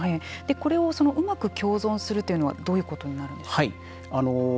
これをうまく共存するというのはどういうことになるんでしょうか。